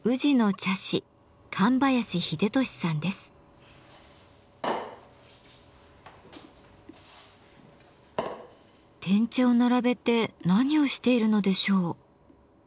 碾茶を並べて何をしているのでしょう？